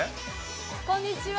こんにちは。